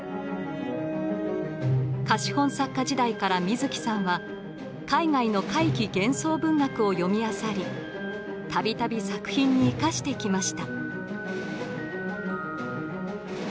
貸本作家時代から水木さんは海外の怪奇幻想文学を読みあさり度々作品に生かしてきました。